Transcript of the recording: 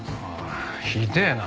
ひでえな。